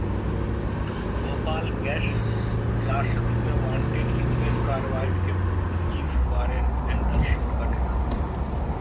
Bhopal gas त्रासदी में wanted Union Carbide के पूर्व चीफ वारेन एंडरसन का निधन